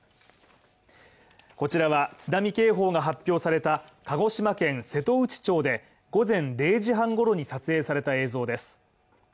こちらは、津波警報が発表された鹿児島県瀬戸内町で午前０時半ごろに撮影された映像です。